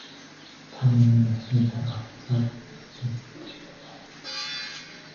Та миний явсны дараа утсаар ярьсныг хэлж байна уу?